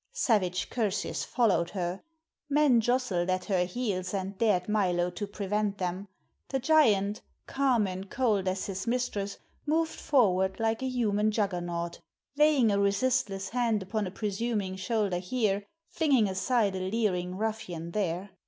Savage curses followed her; men jostled at her heels and dared Milo to prevent them; the giant, calm and cold as his mistress, moved forward like a human Juggernaut, laying a resistless hand upon a presuming shoulder here, flinging aside a leering ruffian there.